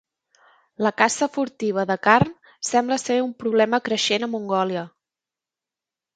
La caça furtiva de carn sembla ser un problema creixent a Mongòlia.